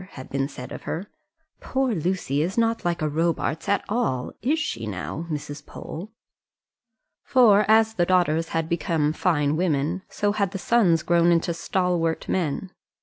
had been said of her; "poor Lucy is not like a Robarts at all; is she, now, Mrs. Pole?" for as the daughters had become fine women, so had the sons grown into stalwart men.